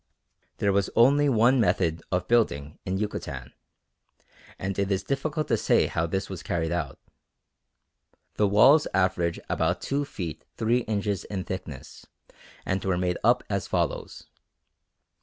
There was only one method of building in Yucatan, and it is difficult to say how this was carried out. The walls average about two feet three inches in thickness and were made up as follows.